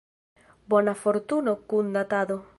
Bona fortuno kun Datado.